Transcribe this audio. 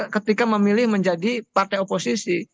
ketika memilih menjadi partai oposisi